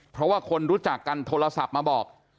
เพราะว่าคนรู้จักกันโทรศัพท์มาบอก